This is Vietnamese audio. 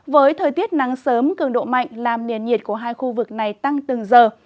với thời tiết nắng sớm cường độ mạnh làm nền nhiệt của hai khu vực này tăng từng giờ